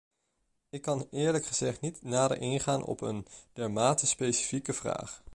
Ik kan eerlijk gezegd niet nader ingaan op een dermate specifieke vraag.